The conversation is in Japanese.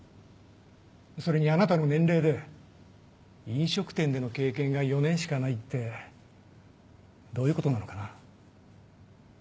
それにあなたの年齢で飲食店での経験が４年しかないってどういうことなのかな？